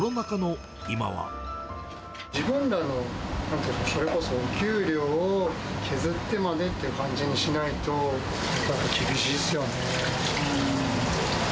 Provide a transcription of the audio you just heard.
自分らのなんていうか、それこそ給料を削ってまでって感じにしないと、やっぱり厳しいっすよねぇ。